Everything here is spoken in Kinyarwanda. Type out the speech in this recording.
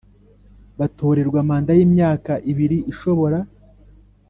Batorerwa manda y imyaka ibiri ishobora